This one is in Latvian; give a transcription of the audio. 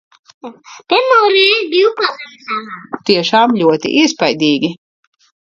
Pirmo reizi biju pazemes alā - tiešām ļoti iespaidīgi!